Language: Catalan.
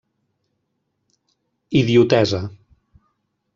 Idiotesa: